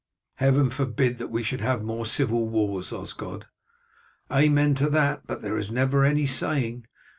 "Heaven forbid that we should have more civil wars, Osgod." "Amen to that, but there is never any saying.